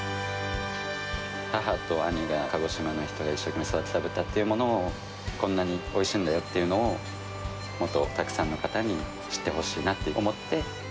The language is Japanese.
母と兄が鹿児島で一生懸命育てた豚というのをこんなにおいしいんだよっていうのを、もっとたくさんの方に知ってほしいなと思って。